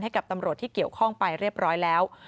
ให้กับตำรวจที่เกี่ยวข้องไปเรียบร้อยแล้ว